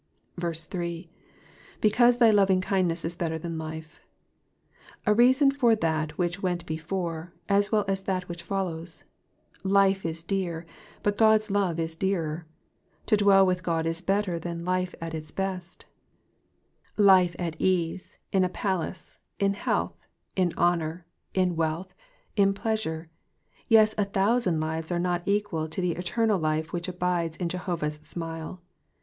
3. ^^ Because thy lovinghindness is letter than life,'''* A reason for that which went before, as well as for that which follows. Life is dear, but God's love is dearer. To dwell with God is better than life at its best ; life at ease, in a palace, in health, in honour, in wealth, in pleasure ; yea, a thousand lives are not equal to the eternal life which abides in Jehovah^s smile.